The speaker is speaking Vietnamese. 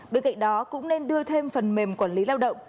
bên cạnh đó cũng nên đưa thêm phần mềm quản lý lao động